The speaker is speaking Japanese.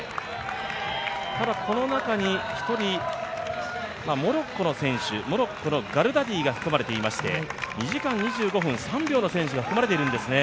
ただこの中に１人、モロッコのガルダディが含まれていまして２時間２５分３秒の選手が含まれているんですね。